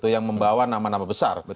yang membawa nama nama besar